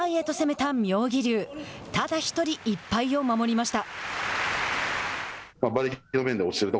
ただ１人、１敗を守りました。